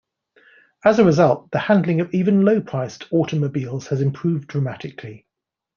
As a result, the handling of even low-priced automobiles has improved dramatically.